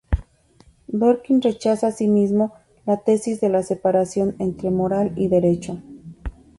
Dworkin rechaza asimismo la tesis de la separación entre Moral y Derecho.